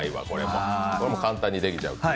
これも簡単にできちゃう。